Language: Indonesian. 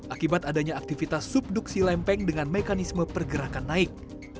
akibat adanya aktivitas subduksi lempeng dengan mekanisme pergerakan naik